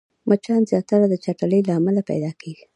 مچان زياتره د چټلۍ له امله پيدا کېږي